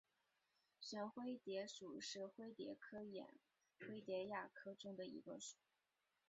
旋灰蝶属是灰蝶科眼灰蝶亚科中的一个属。